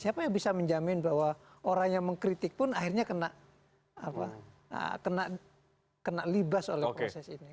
siapa yang bisa menjamin bahwa orang yang mengkritik pun akhirnya kena libas oleh proses ini